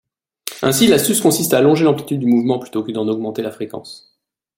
Ainsi, l'astuce consiste à allonger l'amplitude du mouvement plutôt que d'en augmenter la fréquence.